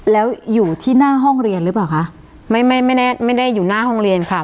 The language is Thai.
แล้วอยู่ที่หน้าห้องเรียนหรือเปล่าคะไม่ไม่ไม่ได้ไม่ได้อยู่หน้าห้องเรียนค่ะ